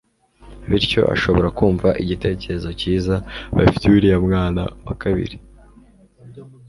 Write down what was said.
bityo ashobora kumva igitekerezo cyiza bafitiye uriya mwana wa kabiri,